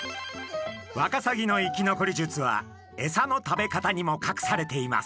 ワカサギの生き残り術はエサの食べ方にもかくされています。